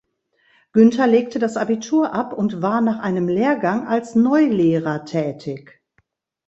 Günther legte das Abitur ab und war nach einem Lehrgang als Neulehrer tätig.